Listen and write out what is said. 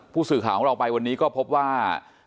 ผู้สื่อข่าวของเราไปวันนี้ก็พบว่า